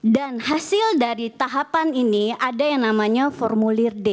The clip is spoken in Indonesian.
dan hasil dari tahapan ini ada yang namanya formulir d